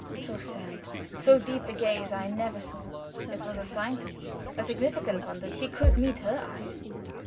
So sad, so deep a gaze I never saw. It was a sign to me, a significant one, that he could meet her eyes.